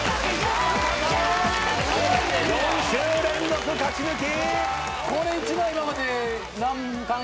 ４週連続勝ち抜き！